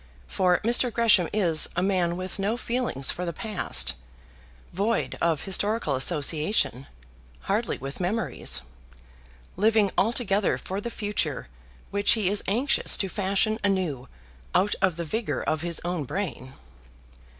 For Mr. Gresham is a man with no feelings for the past, void of historical association, hardly with memories, living altogether for the future which he is anxious to fashion anew out of the vigour of his own brain.